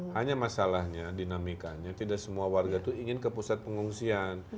hanya masalahnya dinamikanya tidak semua warga itu ingin ke pusat pengungsian